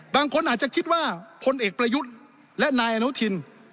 บางคนอาจจะคิดว่าพลเอกประยุทธ์และนายอนุทิน